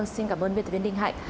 xin cảm ơn biên tập viên đinh hạnh